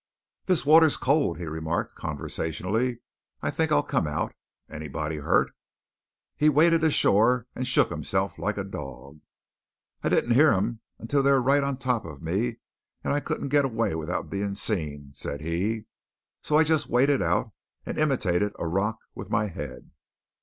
"This water's cold," he remarked conversationally. "I think I'll come out. Anybody hurt?" He waded ashore, and shook himself like a dog. "I didn't hear 'em until they were right on top of me; and I couldn't get away without being seen," said he; "so I just waded out and imitated a rock with my head."